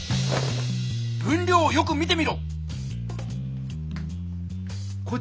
分量をよく見てみろ！